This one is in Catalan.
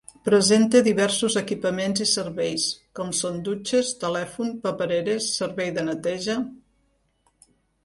Presenta diversos equipaments i serveis, com són dutxes, telèfon, papereres, servei de neteja…